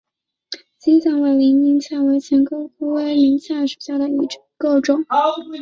西藏委陵菜为蔷薇科委陵菜属下的一个种。